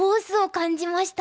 感じました？